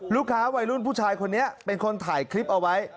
ลูกค้าวัยรุ่นผู้ชายคนนี้เป็นคนถ่ายคลิปเอาไว้